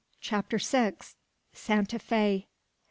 CHAPTER SIX. SANTA FE.